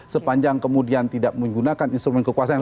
sepanjang kemudian tidak menggunakan instrumen kekuasaan